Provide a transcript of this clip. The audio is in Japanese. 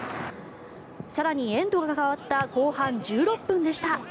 更に、エンドが代わった後半１６分でした。